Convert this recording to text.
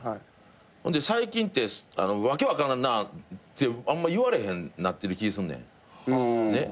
最近って「訳分からんな」ってあんま言われへんなってる気すんねん。